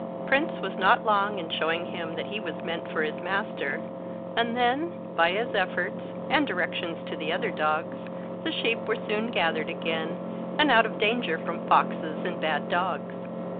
Prince was not long in showing him that he was meant for his master, and then, by his efforts, and directions to the other dogs, the sheep were soon gathered again, and out of danger from foxes and bad dogs.